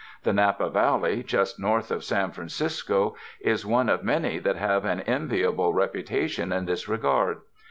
The Napa Valley, just north of San Francisco is one of many that have an enviable reputation in this regard.